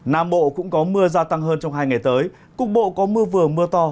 nam bộ cũng có mưa gia tăng hơn trong hai ngày tới cục bộ có mưa vừa mưa to